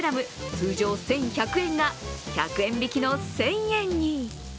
通常１１００円が１００円引きの１０００円に。